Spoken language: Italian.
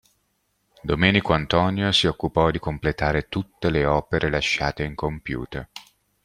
Domenico Antonio si occupò di completare tutte le opere lasciate incompiute.